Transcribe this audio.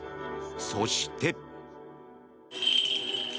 そして。